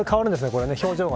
これ、表情が。